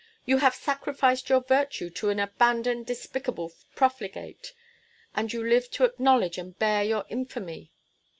You have sacrificed your virtue to an abandoned, despicable profligate! And you live to acknowledge and bear your infamy!"